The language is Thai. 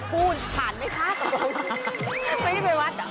พูดผ่านไหมคะกับบรูไนที่ไปวัด